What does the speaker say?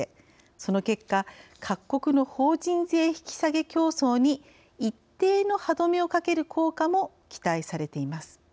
その結果各国の法人税引き下げ競争に一定の歯止めをかける効果も期待されています。